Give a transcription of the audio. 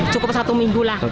cukup satu minggu lah